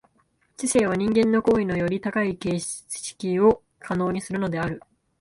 知性は人間の行為のより高い形式を可能にするのである。